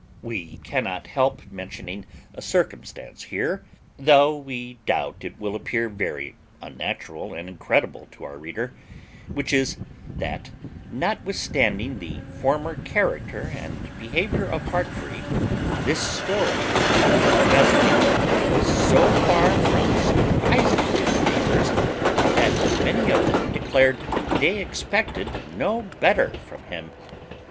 We cannot help mentioning a circumstance here, though we doubt it will appear very unnatural and incredible to our reader; which is, that, notwithstanding the former character and behaviour of Heartfree, this story of his embezzling was so far from surprizing his neighbours, that many of them declared they expected no better from him.